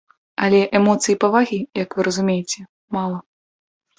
Але эмоцый і павагі, як вы разумееце, мала.